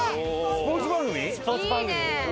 スポーツ番組。